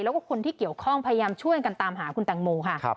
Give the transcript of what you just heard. แล้วก็คนที่เกี่ยวข้องพยายามช่วยกันตามหาคุณแตงโมค่ะ